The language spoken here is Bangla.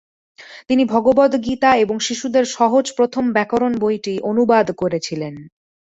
তিনি ভগবদ্গীতা এবং শিশুদের সহজ প্রথম ব্যাকরণ বইটি অনুবাদ করেছিলেন।